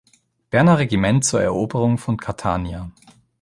Berner Regiment zur Eroberung von Catania.